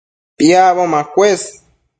Piacbo macuës